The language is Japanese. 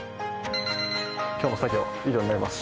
今日の作業以上になります。